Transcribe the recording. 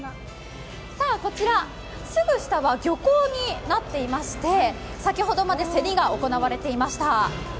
さあ、こちら、すぐ下は漁港になっていまして先ほどまで競りが行われていました。